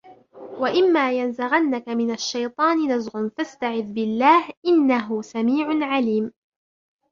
وَإِمَّا يَنْزَغَنَّكَ مِنَ الشَّيْطَانِ نَزْغٌ فَاسْتَعِذْ بِاللَّهِ إِنَّهُ سَمِيعٌ عَلِيمٌ